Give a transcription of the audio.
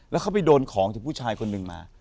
แล้วเขาไปโดนของจากผู้ชายคนหนึ่งมา